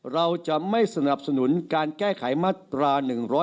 เราจะไม่สนับสนุนการแก้ไขมาตรา๑๑๒